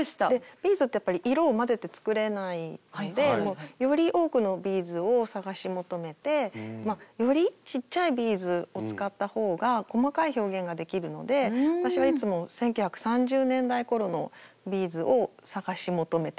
ビーズってやっぱり色を混ぜて作れないのでより多くのビーズを探し求めてよりちっちゃいビーズを使った方が細かい表現ができるので私はいつも１９３０代ごろのビーズを探し求めてます。